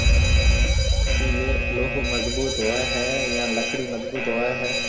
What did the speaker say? ڪِي لوه مضبوط هوئي هيَ يان لڪڙِي مضبوط هوئي هيَ؟